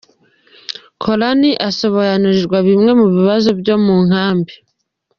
Koran asobanurirwa bimwe mu bibazo byo mu nkambi.